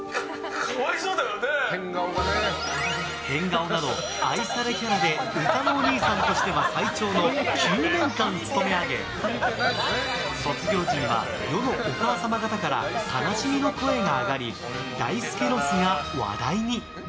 変顔など、愛されキャラで歌のおにいさんとしては最長の９年間務め上げ卒業時には世のお母さま方から悲しみの声が上がりだいすけロスが話題に。